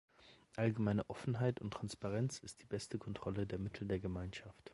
Allgemeine Offenheit und Transparenz ist die beste Kontrolle der Mittel der Gemeinschaft.